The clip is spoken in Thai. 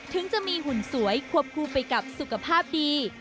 ถึงจะมีหุ่นสวยควบคู่ไปกับสุขภาพดี